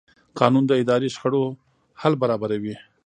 قانون د اداري شخړو حل برابروي.